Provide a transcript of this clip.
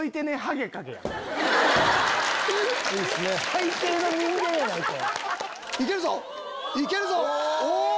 最低の人間やないか！